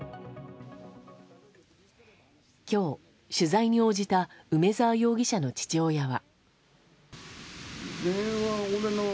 今日、取材に応じた梅沢容疑者の父親は。